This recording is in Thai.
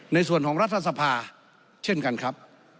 ในส่วนของรัฐสภาเช่นกันครับ